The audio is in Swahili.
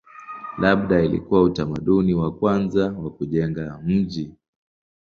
Labda ilikuwa utamaduni wa kwanza wa kujenga miji.